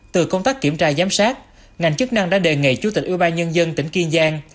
từ công tác kiểm tra giám sát ngành chức năng đã đề nghị chủ tịch ưu ba nhân dân tỉnh kiên giang